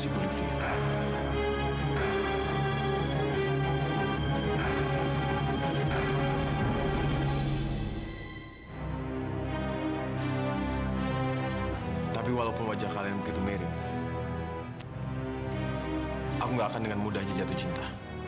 kamilah pasti senang banget ya